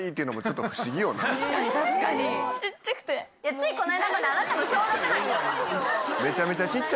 ついこの間まであなたも小学生よ。